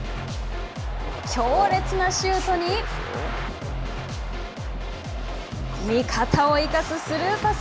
強烈なシュートに味方を生かすスルーパス。